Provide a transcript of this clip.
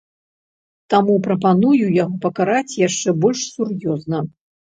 Таму прапаную яго пакараць яшчэ больш сур'ёзна.